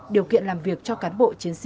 điều kiện làm việc cho cán bộ chiến sĩ